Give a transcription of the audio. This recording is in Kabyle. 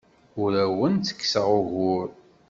Ur awen-ttekkseɣ ugur.